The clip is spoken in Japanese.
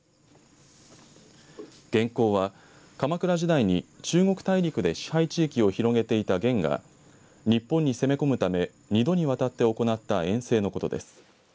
元寇は鎌倉時代に中国大陸で支配地域や広げていた元が日本に攻め込むため二度にわたって行った遠征のことです。